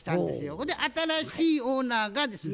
ほんで新しいオーナーがですね